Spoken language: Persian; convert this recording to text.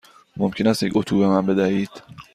ممکن است یک اتو به من بدهید؟